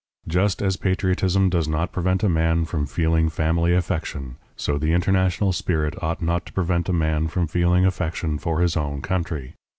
Just as patriotism does not prevent a man from feeling family affection, so the international spirit ought not to prevent a man from feeling affection for his own country.